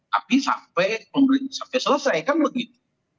tapi sampai pemerintah selesai kan begitu